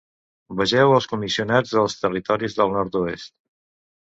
Vegeu els comissionats dels territoris del nord-oest.